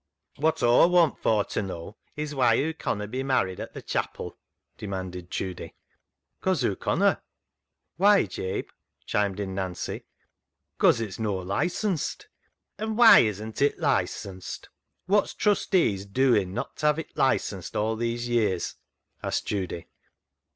" Wot Aw want for t' know is why hoo conna be married at th' chapel ?" demanded Judy. " 'Cause hoo conna." " Why, Jabe ?" chimed in Nancy. " 'Cause it's no licensed." " An' why isn't it licensed ? Wot's trustees doin' not ta hav' it licensed all these years ?" asked Judy.